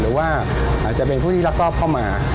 หรือว่าอาจจะเป็นผู้ที่รักรอบเข้ามา